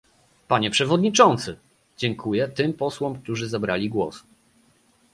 Panie przewodniczący!, dziękuję tym posłom, którzy zabrali głos